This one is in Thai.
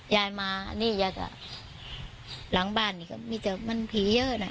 ยายมานี่ยายก็หลังบ้านนี่ก็มีแต่มันผีเยอะนะ